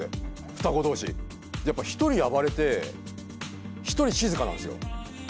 やっぱ１人暴れて１人静かなんですよ。